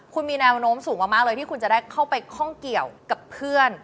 คุณมีแนวโน้มสูงมากเลยที่คุณจะได้เข้าไปข้องเกี่ยวกับเพื่อน